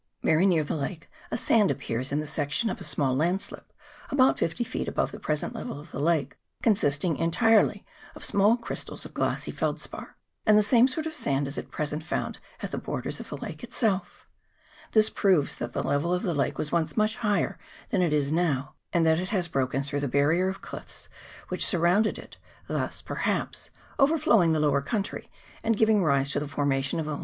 Very near the lake a sand appears in the section of a small landslip about fifty feet above the present level of the lake, consisting entirely .of small crystals of glassy felspar ; and the same sort of sand is at present found at the borders of the lake itself. This proves that the level of the lake was once much higher than it now is, and that it has broken through the barrier of cliffs which sur rounded it, thus, perhaps, overflowing the lower country and giving rise to the formation of the 332 LAKE TAUPO. [PART II.